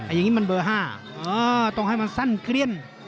อย่างนี้มันเบอร์๕ต้องให้มันสั้นเกลี้ยน